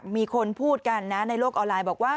มีคนพูดกันนะในโลกออนไลน์บอกว่า